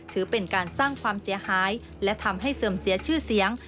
ถือเป็นการสร้างความเสียหายและทำให้เสื่อมเสียชื่อเสียง